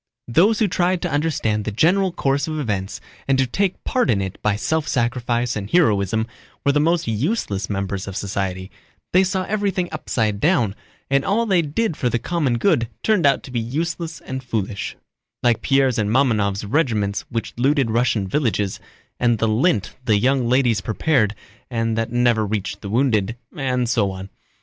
Those who tried to understand the general course of events and to take part in it by self sacrifice and heroism were the most useless members of society, they saw everything upside down, and all they did for the common good turned out to be useless and foolish—like Pierre's and Mamónov's regiments which looted Russian villages, and the lint the young ladies prepared and that never reached the wounded, and so on.